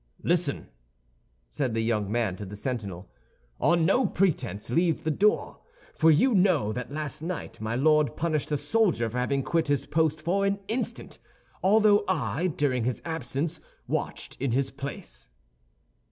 "Listen," said the young man to the sentinel. "On no pretense leave the door, for you know that last night my Lord punished a soldier for having quit his post for an instant, although I, during his absence, watched in his place."